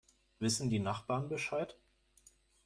Wissen die Nachbarn Bescheid?